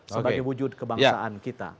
sebagai wujud kebangsaan kita